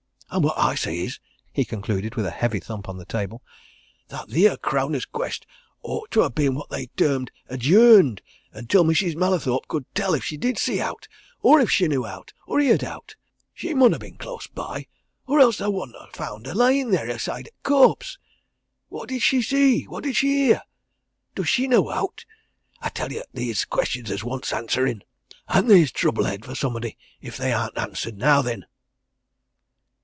And what I say is," he concluded, with a heavy thump of the table, "that theer crowner's quest owt to ha' been what they term adjourned, until Mrs. Mallathorpe could tell if she did see owt, or if she knew owt, or heer'd owt! She mun ha' been close by or else they wo'dn't ha' found her lyin' theer aside o' t' corpse. What did she see? What did she hear? Does she know owt? I tell ye 'at theer's questions 'at wants answerin' and theer's trouble ahead for somebody if they aren't answered now then!"